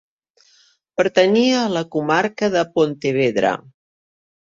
Pertanyia a la Comarca de Pontevedra.